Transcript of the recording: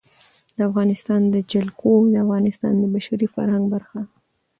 د افغانستان جلکو د افغانستان د بشري فرهنګ برخه ده.